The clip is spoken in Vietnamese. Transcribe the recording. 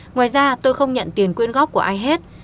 ngoài ra tôi không nhận tiền quyên góp của ai hết